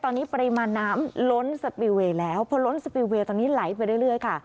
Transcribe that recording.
ตอนนี้ปริมาณน้ำล้นสปิลเวย์แล้วพอล้นสปิลเวย์ตอนนี้ไหลไปเรื่อยค่ะ